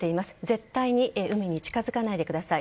絶対に海に近づかないでください。